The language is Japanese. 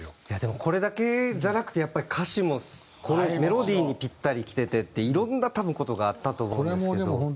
いやでもこれだけじゃなくてやっぱり歌詞もこのメロディーにピッタリきててっていろんな多分事があったと思うんですけど。